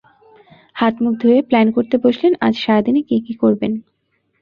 হাত-মুখ ধুয়ে প্ল্যান করতে বসলেন, আজ সারাদিনে কী কী করবেন।